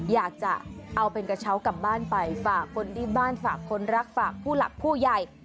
อยากจะเอาเป็นกระเช้ากลับบ้านไปฝากคนที่บ้านฝากคนรักฝากผู้หลักผู้ใหญ่